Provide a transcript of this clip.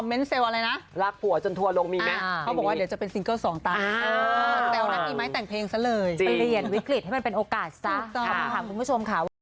แล้วเราก็ไม่คิดไม่ฝันว่าเขาจะซื้อให้